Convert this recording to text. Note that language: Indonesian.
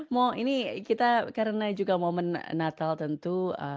mo ini kita karena juga momen natal tentu